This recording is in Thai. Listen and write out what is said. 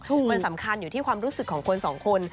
มันสำคัญอยู่ที่ความรู้สึกของคนสองคน